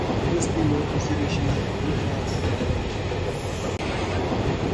Dois pilotos dirigindo um carro laranja